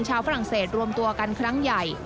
ฝรั่งเศสรวมตัวกันครั้งใหญ่